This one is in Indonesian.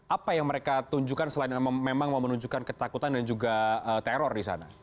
apa yang mereka tunjukkan selain memang mau menunjukkan ketakutan dan juga teror di sana